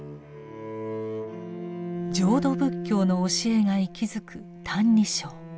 浄土仏教の教えが息づく「歎異抄」。